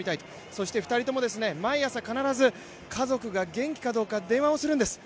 そして２人とも毎朝、必ず家族が元気かどうか電話をするんです。